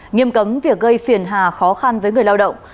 nghiêm cấm việc gây phiền hà khó khăn với người lao động